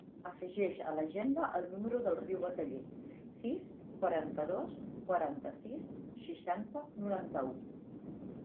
Afegeix a l'agenda el número del Rio Bataller: sis, quaranta-dos, quaranta-sis, seixanta, noranta-u.